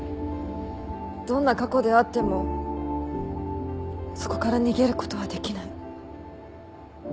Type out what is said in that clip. どんな過去であってもそこから逃げることはできない。